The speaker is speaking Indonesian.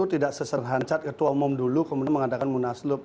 tidak seserhancat ketua umum dulu kemudian mengadakan munaslup